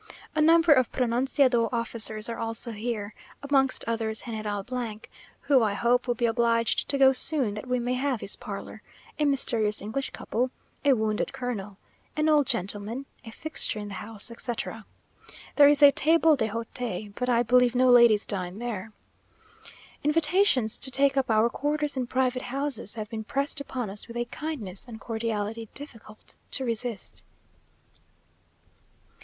A number of pronunciado officers are also here amongst others, General , who I hope will be obliged to go soon, that we may have his parlour; a mysterious English couple; a wounded Colonel, an old gentleman, a fixture in the house, etc. There is a table d'hôte, but I believe no ladies dine there. Invitations to take up our quarters in private houses have been pressed upon us with a kindness and cordiality difficult to resist....